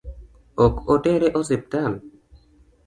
Ok otere osiptal?